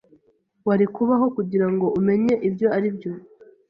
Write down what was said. Wari kubaho kugirango umenye ibyo aribyo?